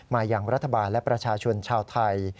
อย่างรัฐบาลและประชาชนชาวไทย